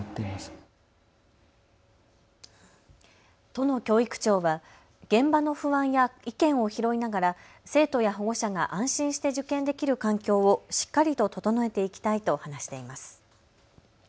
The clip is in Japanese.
都の教育庁は現場の不安や意見を拾いながら生徒や保護者が安心して受験できる環境をしっかりと整えていきたいと話しています。